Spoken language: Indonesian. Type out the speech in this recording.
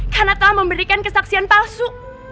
karena telah memberikan kesaksian palsu